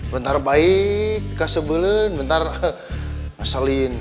bentar baik nanti sebelin bentar ngeselin